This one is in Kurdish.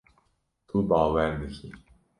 Tu bawer dikî.